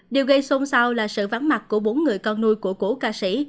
điều gây xôn xao là sự ván mặt của bốn người con nuôi của cổ ca sĩ